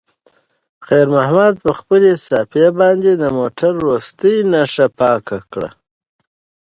خیر محمد په خپلې صافې باندې د موټر وروستۍ نښه پاکه کړه.